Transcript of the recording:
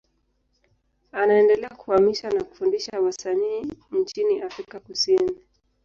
Anaendelea kuhamasisha na kufundisha wasanii nchini Afrika Kusini.